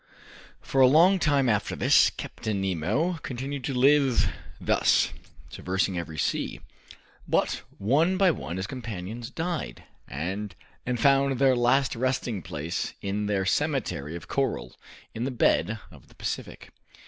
For a long time after this, Captain Nemo continued to live thus, traversing every sea. But one by one his companions died, and found their last resting place in their cemetery of coral, in the bed of the Pacific.